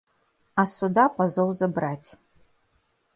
А з суда пазоў забраць.